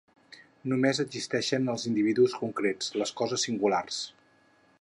Només existeixen els individus concrets, les coses singulars.